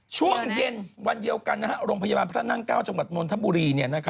ช่วงเย็นวันเดียวกันนะครับโรงพยาบาลพระนางเก้าจังหวัดมนตร์ธบุรีเนี่ย